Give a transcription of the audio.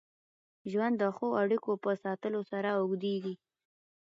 ژوند د ښو اړیکو په ساتلو سره اوږدېږي.